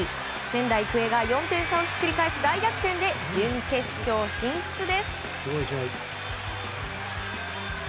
仙台育英が４点差をひっくり返す大逆転で、準決勝進出です。